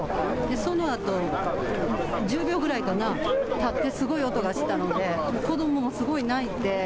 そのあと１０秒くらいかな、たってすごい音がしたので子どももすごい泣いて。